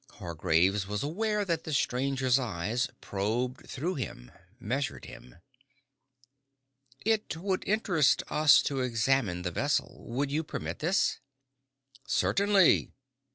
Hargraves was aware that the stranger's eyes probed through him, measured him. "It would interest us to examine the vessel. Would you permit this?" "Certainly."